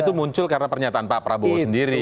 itu muncul karena pernyataan pak prabowo sendiri